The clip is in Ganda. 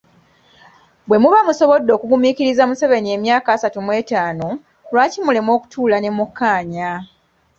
Bwe muba musobodde okugumiikiriza Museveni emyaka asatu mwetaano, lwaki mulemererwa okutuula ne mukkaanya.